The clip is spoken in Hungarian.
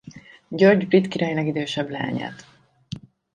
György brit király legidősebb leányát.